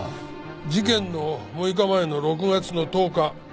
事件の６日前の６月の１０日。